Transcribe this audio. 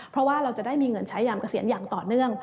เพราะว่าเราจะได้มีเงินใช้ยามเกษียณอย่างต่อเนื่อง